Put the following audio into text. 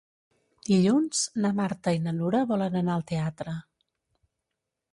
Dilluns na Marta i na Nura volen anar al teatre.